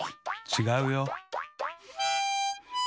ちがうよ。